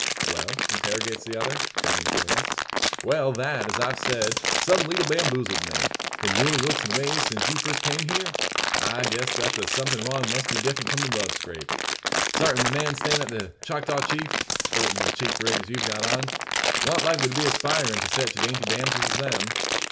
"Well?" interrogates the other, feigning coolness. "Well; that, as I've said, some leetle bamboozled me. From your looks and ways since you first came hyar, I guessed that the something wrong must be different from a love scrape. Sartint, a man stayin' at the Choctaw Chief, and sporting the cheap rig as you've got on, wan't likely to be aspirin' to sech dainty damsels as them.